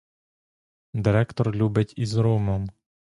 Директор любить із ромом.